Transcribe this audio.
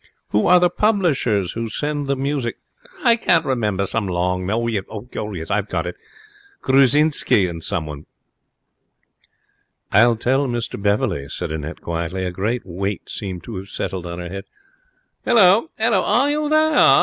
'Who are the publishers who send the music?' 'I can't remember. Some long name. Yes, I've got it. Grusczinsky and someone.' 'I'll tell Mr Beverley,' said Annette, quietly. A great weight seemed to have settled on her head. 'Halloa! Halloa! Are you there?'